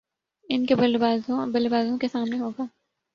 ان کے بلے بازوں کے سامنے ہو گا